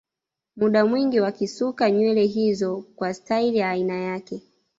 Muda mwingi wakisuka nywele hizo kwa stairi ya aina yake